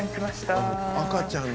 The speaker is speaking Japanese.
赤ちゃん。